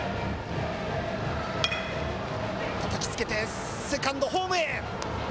たたきつけてセカンド、ホームへ。